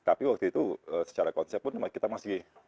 tapi waktu itu secara konsep pun kita masih